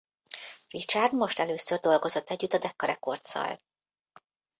Richard most először dolgozott együtt a Decca Recordsszal.